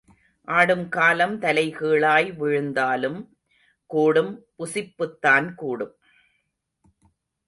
ஆடும் காலம் தலைகீழாய் விழுந்தாலும் கூடும் புசிப்புத்தான் கூடும்.